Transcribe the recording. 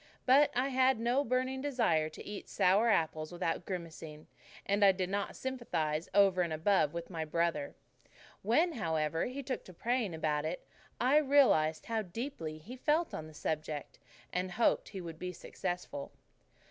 But I had no burning desire to eat sour apples without grimacing, and I did not sympathize over and above with my brother. When, however, he took to praying about it, I realized how deeply he felt on the subject, and hoped he would be successful.